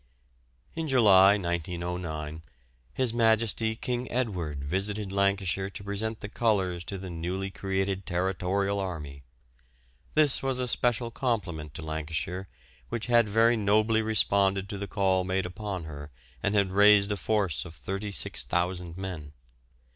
In July, 1909, His Majesty King Edward visited Lancashire to present the colours to the newly created Territorial Army. This was a special compliment to Lancashire, which had very nobly responded to the call made upon her and had raised a force of 36,000 men.